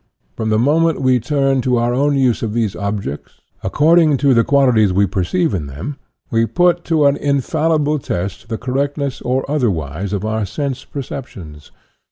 From the moment we turn to 2O INTRODUCTION our own use these objects, according to the qual ities we perceive in them, we put to an infallible test the correctness or otherwise of our sense perceptions.